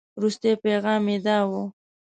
وروستي پيغام یې داو.